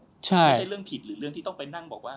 ไม่ใช่เรื่องผิดหรือเรื่องที่ต้องไปนั่งบอกว่า